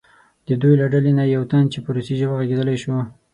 د دوی له ډلې نه یو تن چې په روسي ژبه غږېدلی شو.